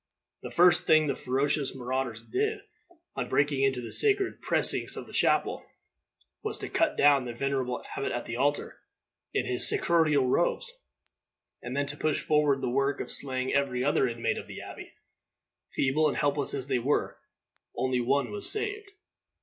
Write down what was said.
The first thing the ferocious marauders did, on breaking into the sacred precincts of the chapel, was to cut down the venerable abbot at the altar, in his sacerdotal robes, and then to push forward the work of slaying every other inmate of the abbey, feeble and helpless as they were. Only one was saved.